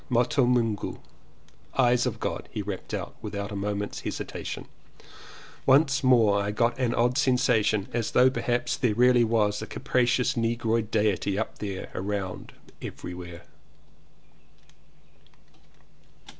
"Moto Mungu. "Eyes of God," he rapped out without a moment's hesitation. Once more I got an odd sensation as though perhaps there really was a capri cious negroid diety up there, around, every where.